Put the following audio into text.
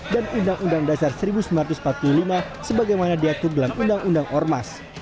dan undang undang dasar seribu sembilan ratus empat puluh lima sebagaimana diatur dalam undang undang ormas